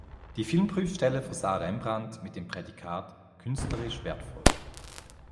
Die Filmprüfstelle versah "Rembrandt" mit dem Prädikat „künstlerisch wertvoll“.